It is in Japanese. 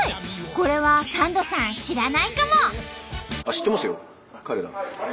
これはサンドさん知らないかも！